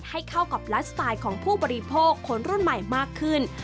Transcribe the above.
ให้เข้ากับไลฟ์สไตล์ของผู้บริโภคคนรุ่นใหม่มากขึ้น